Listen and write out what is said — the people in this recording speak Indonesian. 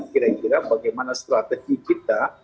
kira kira bagaimana strategi kita